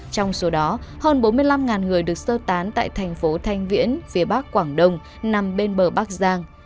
trong số đó hơn bốn mươi năm người được sơ tán tại thành phố thanh viễn phía bắc quảng đông nằm bên bờ bắc giang